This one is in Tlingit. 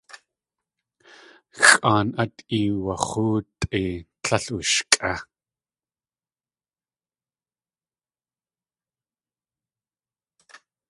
Xʼáan át iwax̲óotʼi tlél ushkʼé.